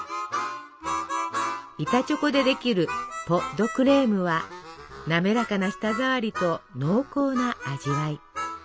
板チョコでできるポ・ド・クレームは滑らかな舌ざわりと濃厚な味わい。